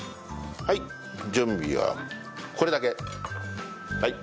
はい準備はこれだけ。